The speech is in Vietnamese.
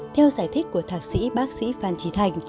theo giải thích của thạc sĩ bác sĩ phan trí thành